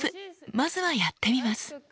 まずはやってみます。